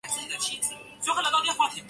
位于吉安市东北部。